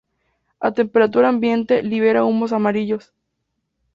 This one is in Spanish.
A temperatura ambiente libera humos amarillos.